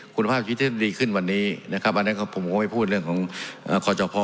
คุณภาพชีวิตที่ดีขึ้นวันนี้นะครับอันนั้นผมก็ไม่พูดเรื่องของคอจพอ